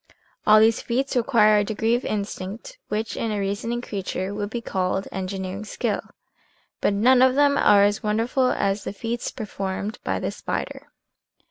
All these feats require a degree of instinct which in a reasoning creature would be called engineering skill, but none of them are as wonderful as the feats performed by the spider.